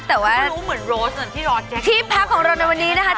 ที่พักของเราในวันนี้นะฮะ